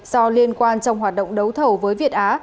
do liên quan trong hoạt động đấu thầu với việt á